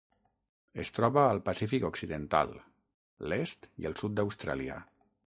Es troba al Pacífic occidental: l'est i el sud d'Austràlia.